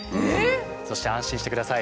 そして安心してください。